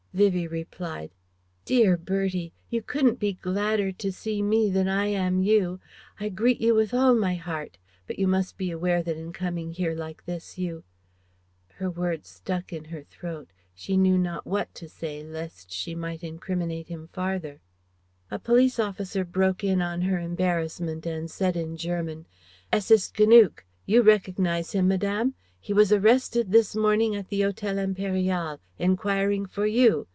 Vivie replied: "Dear Bertie! You can't be gladder to see me than I am you. I greet you with all my heart. But you must be aware that in coming here like this you " her words stuck in her throat she knew not what to say lest she might incriminate him farther A police officer broke in on her embarrassment and said in German: "Es ist genug You recognize him, Madame? He was arrested this morning at the Hotel Impérial, enquiring for you.